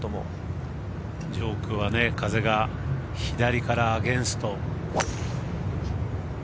上空は風が左からアゲンスト。